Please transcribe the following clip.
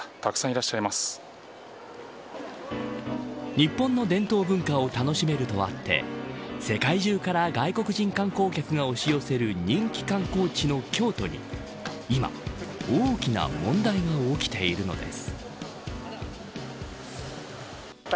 日本の伝統文化を楽しめるとあって世界中から外国人観光客が押し寄せる人気観光地の京都に今、大きな問題が起きているのです。